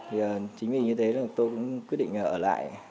thì chính vì như thế là tôi cũng quyết định ở lại